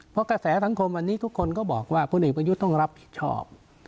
เพราะกระแสสังคมอันนี้ทุกคนก็บอกว่าพลเอกประยุทธ์ต้องรับผิดชอบ